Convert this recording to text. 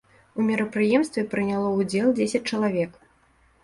У мерапрыемстве прыняло ўдзел дзесяць чалавек.